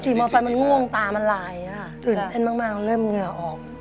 มอไซค์มันง่วงตามันลายค่ะตื่นเต้นมากเริ่มเหงื่อออก